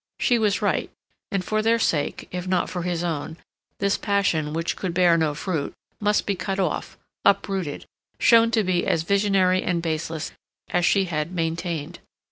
She was right, and for their sake, if not for his own, this passion, which could bear no fruit, must be cut off, uprooted, shown to be as visionary and baseless as she had maintained.